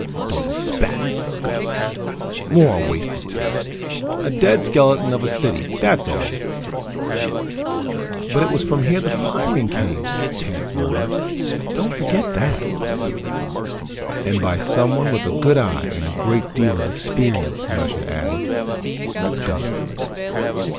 Dorle spat in disgust. "More wasted time. A dead skeleton of a city, that's all." "But it was from here that the firing came," Tance murmured. "Don't forget that." "And by someone with a good eye and a great deal of experience," Nasha added. "Let's go."